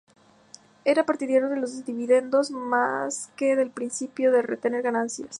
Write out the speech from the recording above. Era partidario de los dividendos, más que del principio de retener ganancias.